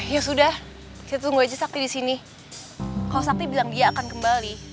ya sudah kita tunggu aja sakti di sini kalau sakti bilang dia akan kembali